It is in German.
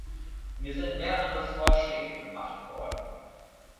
Mir sind mehrere Vorschläge gemacht worden.